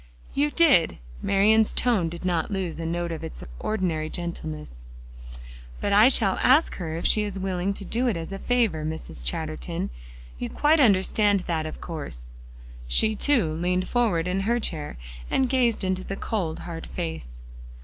"You did." Marian's tone did not lose a note of its ordinary gentleness. "But I shall ask her if she is willing to do it as a favor, Mrs. Chatterton; you quite understand that, of course?" She, too, leaned forward in her chair, and gazed into the cold, hard face.